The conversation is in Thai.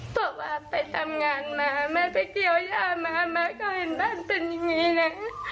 บอกว่าไปทำงานมาแม่ไปเกี่ยวย่ามาแม่ก็เห็นบ้านเป็นอย่างนี้นะ